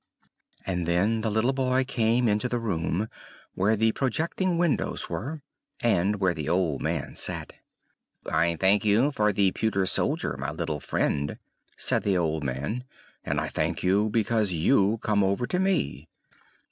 And then the little boy came into the room where the projecting windows were, and where the old man sat. "I thank you for the pewter soldier, my little friend!" said the old man. "And I thank you because you come over to me."